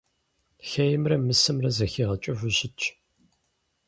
Хеймрэ мысэмрэ зэхигъэкӀыфу щытщ.